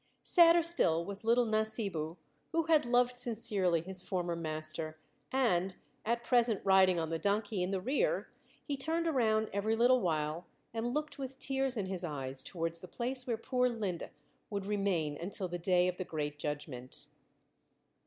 Sadder still was little Nasibu, who had loved sincerely his former master, and, at present riding on the donkey in the rear, he turned around every little while and looked with tears in his eyes towards the place where poor Linde would remain until the day of the great judgment.